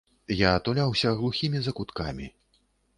Я туляўся глухімі закуткамі.